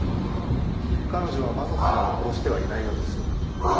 彼女は将人さんを殺してはいないようです。